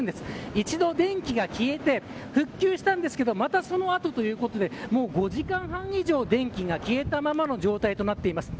一度電気が消えて復旧したんですがまた、その後ということで５時間半以上電気が消えたままの状態となっています。